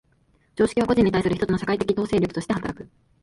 常識は個人に対する一つの社会的統制力として働く。